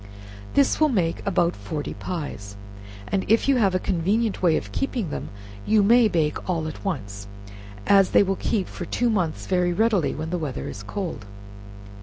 This will make about forty pies, and if you have a convenient way of keeping them, you may bake all at once, as they will keep for two months very readily when the weather is cold.